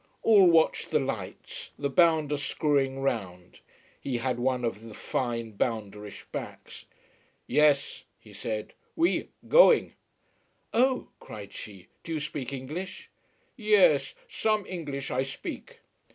All watched the lights, the bounder screwing round. He had one of the fine, bounderish backs. "Yes," he said. "We going." "Oh," cried she. "Do you speak English?" "Ye es. Some English I speak."